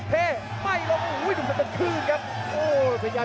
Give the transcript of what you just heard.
เท่ไม่ลงหนุ่มสะตึกคืนครับ